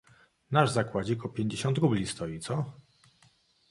"Nasz zakładzik o pięćdziesiąt rubli stoi, co?..."